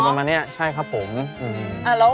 นิทแบบไหนที่นำให้เกิดปัญหากับแฟน